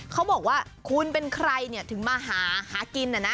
เขาบอกว่าคุณเป็นใครถึงมาหากิน